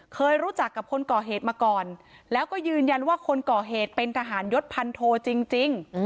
เคยรู้จักกับคนก่อเหตุมาก่อนแล้วก็ยืนยันว่าคนก่อเหตุเป็นทหารยศพันโทจริง